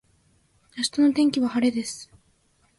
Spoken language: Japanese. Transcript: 明日の天気は晴れです。